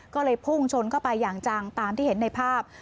ก็เลยพุ่งชนเข้าไปอย่างจังตามที่เห็นในภาพ